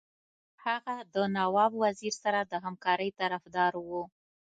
هغه د نواب وزیر سره د همکارۍ طرفدار وو.